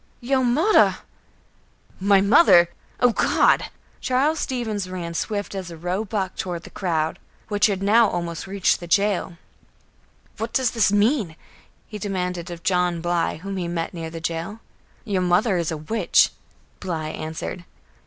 "Yo mudder." "My mother! Oh, God!" Charles Stevens ran swift as a roe buck toward the crowd, which had now almost reached the jail. "What does this mean?" he demanded of John Bly, whom he met near the jail. "Your mother is a witch," Bly answered.